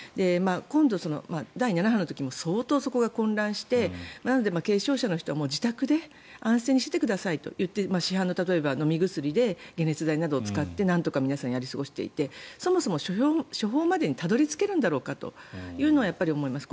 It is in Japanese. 今度、第７波の時も相当そこが混乱してなので軽症者の人は自宅で安静にしていてくださいといって市販の飲み薬で解熱剤などを使ってなんとか皆さんやり過ごしていてそもそも処方までにたどり着けるのだろうかと思います。